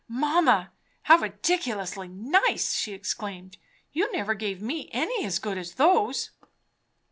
"Mamma! how ridiculously nice!" she exclaimed. "You never gave me any as good as those."